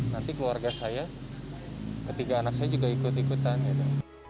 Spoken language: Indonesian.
nanti keluarga saya ketiga anak saya juga ikut ikutan gitu